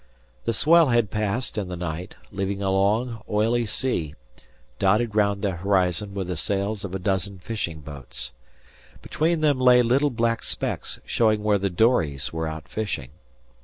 The swell had passed in the night, leaving a long, oily sea, dotted round the horizon with the sails of a dozen fishing boats. Between them lay little black specks, showing where the dories were out fishing.